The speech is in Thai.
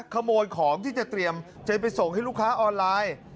ขโมยของที่จะเตรียมจะไปส่งให้ลูกค้าออนไลน์